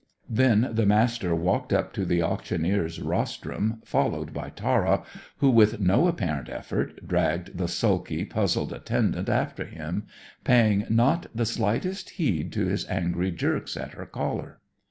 Then the Master walked up to the auctioneer's rostrum, followed by Tara, who, with no apparent effort, dragged the sulky, puzzled attendant after him, paying not the slightest heed to his angry jerks at her collar.